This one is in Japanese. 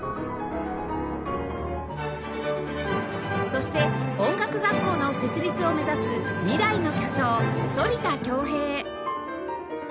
そして音楽学校の設立を目指す未来の巨匠反田恭平